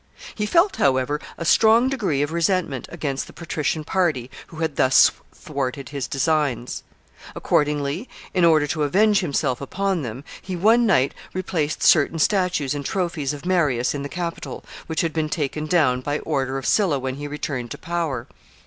He felt, however, a strong degree of resentment against the patrician party who had thus thwarted his designs. Accordingly, in order to avenge himself upon them, he one night replaced certain statues and trophies of Marius in the Capitol, which had been taken down by order of Sylla when he returned to power.